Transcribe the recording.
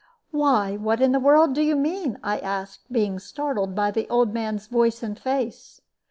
"Why, what in the world do you mean?" I asked, being startled by the old man's voice and face.